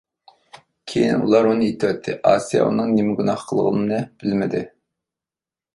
كېيىن ئۇلار ئۇنى ئېتىۋەتتى، ئاسىيە ئۇنىڭ نېمە گۇناھ قىلغىنىنى بىلمىدى.